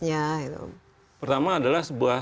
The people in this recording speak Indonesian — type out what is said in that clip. nya pertama adalah